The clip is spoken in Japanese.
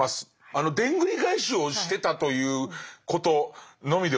あのでんぐり返しをしてたということのみでございます。